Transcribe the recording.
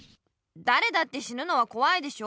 だれだって死ぬのはこわいでしょ。